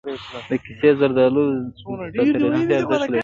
د قیسی زردالو صادراتي ارزښت لري.